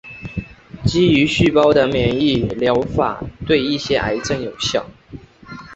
基于细胞的免疫疗法对一些癌症有效。